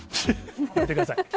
やめてください。